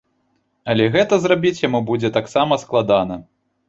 Але гэта зрабіць яму будзе таксама складана.